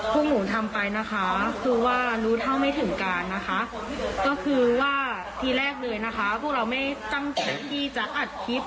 ก็คือว่าที่แรกเลยพวกเราไม่ตั้งที่จะอัดคลิป